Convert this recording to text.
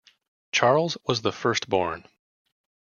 Charles was the firstborn.